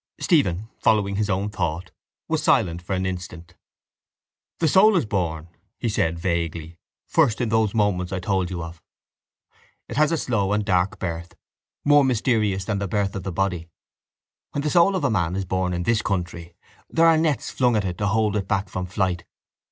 Stephen, following his own thought, was silent for an instant. —The soul is born, he said vaguely, first in those moments I told you of. It has a slow and dark birth, more mysterious than the birth of the body. When the soul of a man is born in this country there are nets flung at it to hold it back from flight.